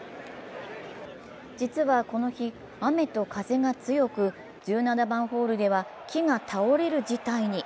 実はこの日、雨と風が強く１７番ホールでは木が倒れる事態に。